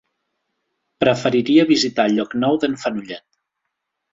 Preferiria visitar Llocnou d'en Fenollet.